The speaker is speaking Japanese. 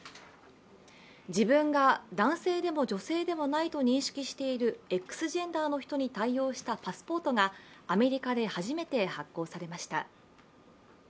自分が男性でも女性でもないと認識しているＸジェンダーの人に対応したパスポートがアメリカで初めて発行されました。